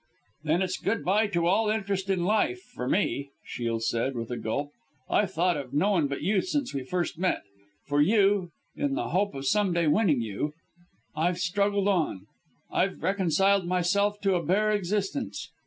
"Then it's good bye to all interest in life for me," Shiel said, with a gulp. "I've thought of no one but you since we first met. For you in the hope of someday winning you, I've struggled on; I've reconciled myself to a bare existence.